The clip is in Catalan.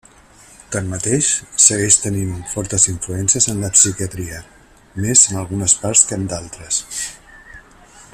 Tanmateix, segueix tenint fortes influències en la psiquiatria, més en algunes parts que en d'altres.